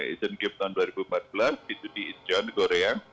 asian games tahun dua ribu empat belas itu di incheon korea